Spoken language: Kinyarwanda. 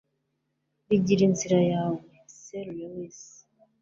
bigire inzira yawe' - c s lewis